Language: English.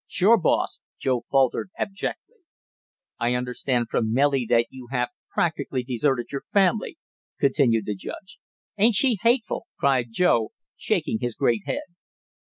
"Sure, boss!" Joe faltered abjectly. "I understand from Nellie that you have practically deserted your family," continued the judge. "Ain't she hateful?" cried Joe, shaking his great head.